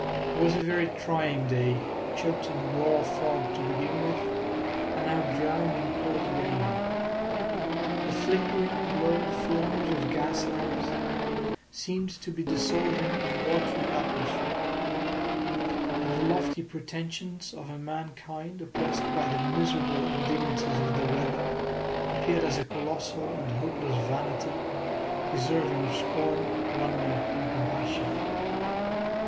It was a very trying day, choked in raw fog to begin with, and now drowned in cold rain. The flickering, blurred flames of gas lamps seemed to be dissolving in a watery atmosphere. And the lofty pretensions of a mankind oppressed by the miserable indignities of the weather appeared as a colossal and hopeless vanity deserving of scorn, wonder, and compassion.